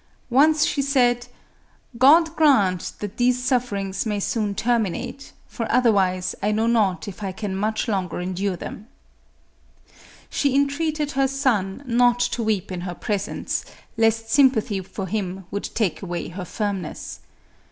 Once she said, " God grant that these sufferings may soon terminate, for otherwise I know not if I can much longer endure them." She entreated her son not to 10 218 MARIA THERESA. weep in her presence, lest sympathy for him would take away her firmness.